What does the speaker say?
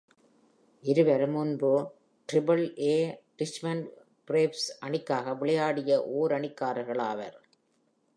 இருவரும் முன்பு டிரிபிள்-ஏ Richmond braves அணிக்காக விளையாடிய ஓரணிக்காரர்கள் ஆவர்.